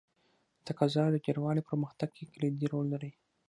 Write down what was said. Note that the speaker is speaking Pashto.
د تقاضا ډېروالی په پرمختګ کې کلیدي رول لري.